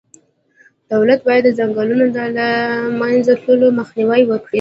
دولت باید د ځنګلونو د له منځه تللو مخنیوی وکړي.